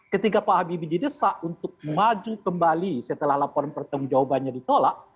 ketika pak habibie didesak untuk maju kembali setelah laporan pertanggung jawabannya ditolak